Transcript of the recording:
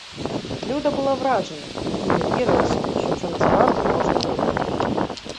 Люда була вражена, їй не вірилося, що це справді можна зробити.